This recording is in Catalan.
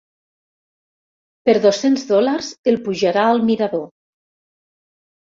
Per dos-cents dòlars el pujarà al mirador.